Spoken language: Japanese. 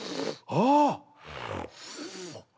ああ！